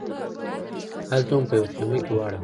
هلته مو په یوه خیمه کې واړول.